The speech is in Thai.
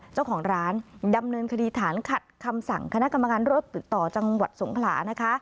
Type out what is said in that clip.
เจ้าของร้านดำเนินคดีฐานขัดคำสั่งคณะกรรมการรถติดต่อจังหวัดสงขลานะคะ